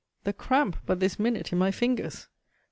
The cramp but this minute in my fingers.